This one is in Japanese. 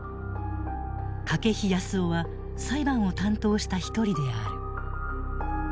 筧康生は裁判を担当した一人である。